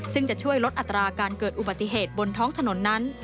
ซึ่งจะช่วยลดอัตราการเกิดอุบัติเหตุบนท้องถนนนั้น